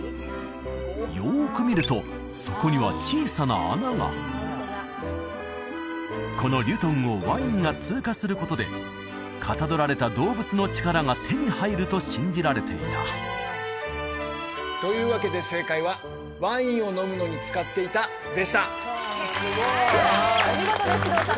よく見ると底には小さな穴がこのリュトンをワインが通過することでかたどられた動物の力が手に入ると信じられていたというわけで正解は「ワインを飲むのに使っていた」でしたお見事です獅童さん